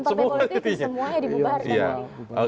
kalau pemubahkan partai politik semuanya dibubarkan